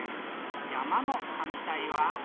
「山」のはんたいは？